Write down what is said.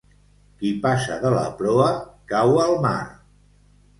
Qui passa de la proa, cau al mar.